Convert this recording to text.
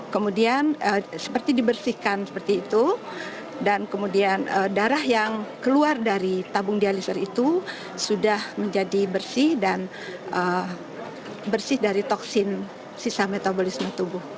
kemudian seperti dibersihkan seperti itu dan kemudian darah yang keluar dari tabung dialiser itu sudah menjadi bersih dan bersih dari toksin sisa metabolisme tubuh